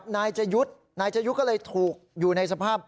นายเจยุทก็เลยถูกอยู่ในสภาพ